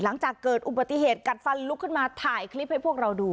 หลังจากเกิดอุบัติเหตุกัดฟันลุกขึ้นมาถ่ายคลิปให้พวกเราดู